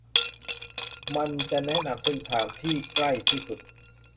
มันจะแนะนำเส้นทางที่ใกล้ที่สุด